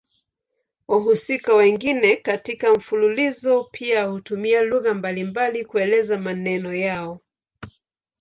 Wahusika wengine katika mfululizo pia hutumia lugha mbalimbali kuelezea maneno yao.